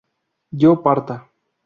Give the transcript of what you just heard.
yo parta